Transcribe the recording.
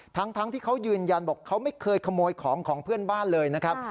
ทั้งที่เขายืนยันบอกเขาไม่เคยขโมยของของเพื่อนบ้านเลยนะครับ